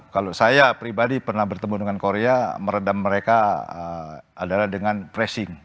kalau saya pribadi pernah bertemu dengan korea meredam mereka adalah dengan pressing